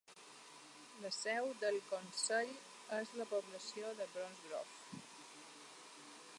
La seu del consell és la població de Bromsgrove.